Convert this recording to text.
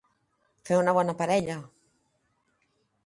Fer una bona parella.